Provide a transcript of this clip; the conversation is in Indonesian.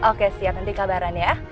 oke siap nanti kabaran ya